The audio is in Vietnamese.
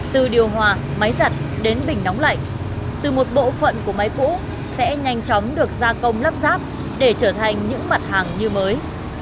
từ điều hòa máy giặt đến bình nóng lạnh từ một bộ phận của máy cũ sẽ nhanh chóng được gia công lắp ráp để trở thành những mặt hàng như mới